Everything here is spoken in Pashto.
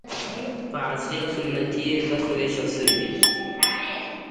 په عصري او سنتي برخو وېشل شوي دي.